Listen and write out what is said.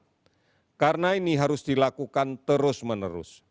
ini adalah langkah yang harus dilakukan terus menerus